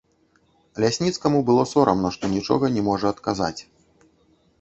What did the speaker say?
Лясніцкаму было сорамна, што нічога не можа адказаць.